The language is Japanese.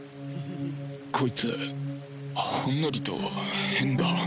こいつほんのりと変だ